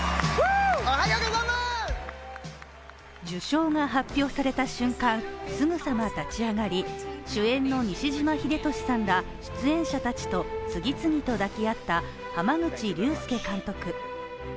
受賞が発表された瞬間、すぐさま立ち上がり主演の西島秀俊さんら出演者たちと次々と抱き合った濱口竜介監督。